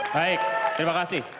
baik terima kasih